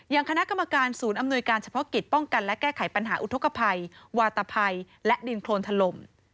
คณะกรรมการศูนย์อำนวยการเฉพาะกิจป้องกันและแก้ไขปัญหาอุทธกภัยวาตภัยและดินโครนถล่ม